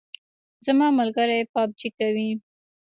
زما ملګری پابجي کوي